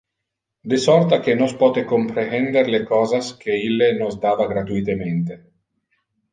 De sorta que nos pote comprehender le cosas que Ille nos dava gratuitemente.